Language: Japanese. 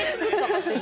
勝手に？